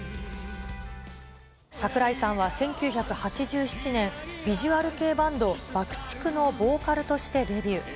櫻井さんは１９８７年、ビジュアル系バンド、バクチクのボーカルとしてデビュー。